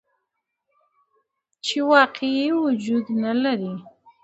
چې واقعي وجود نه لري.